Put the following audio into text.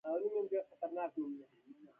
دا د اتلانتیک سیمه کې د مریانو تجارت پرمهال وه.